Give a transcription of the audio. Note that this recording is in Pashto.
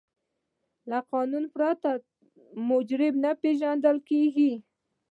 له قانون پرته څوک مجرم نه پیژندل کیږي.